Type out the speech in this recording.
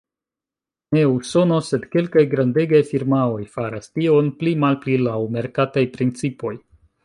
Ne Usono, sed kelkaj grandegaj firmaoj faras tion, pli-malpli laŭ merkataj principoj.